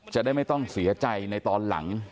จะได้ไม่ต้องเสียใจในตอนหลัง